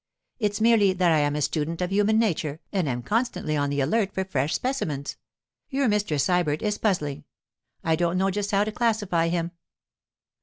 It's merely that I am a student of human nature and am constantly on the alert for fresh specimens. Your Mr. Sybert is puzzling; I don't know just how to classify him.